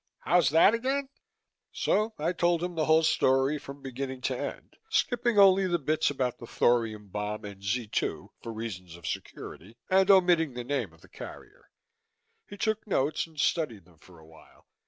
"How's that again?" So I told him the whole story, from beginning to end, skipping only the bits about the thorium bomb and Z 2 for reasons of security, and omitting the name of the carrier. He took notes and studied them for a while.